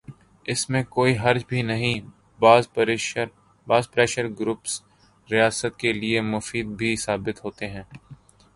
اس میں کوئی حرج بھی نہیں، بعض پریشر گروپس ریاست کے لئے مفید بھی ثابت ہوتے ہیں۔